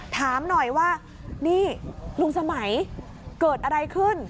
ถามหน่อยว่านี่ลุงสมัยเกิดอะไรขึ้น